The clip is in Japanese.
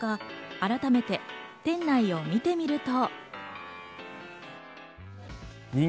改めて店内を見てみると。